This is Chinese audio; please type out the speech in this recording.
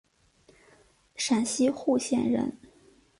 陕西户县人。